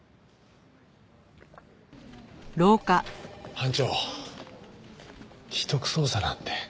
班長秘匿捜査なんて。